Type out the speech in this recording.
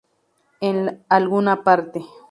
En alguna parte.